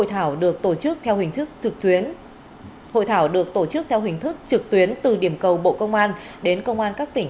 hội thảo được tổ chức theo hình thức trực tuyến từ điểm cầu bộ công an đến công an các tỉnh